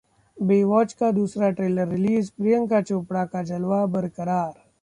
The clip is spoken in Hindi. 'बेवॉच' का दूसरा ट्रेलर रिलीज, प्रियंका चोपड़ा का जलवा बरकरार